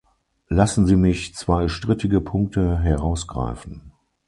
Lassen Sie mich zwei strittige Punkte herausgreifen.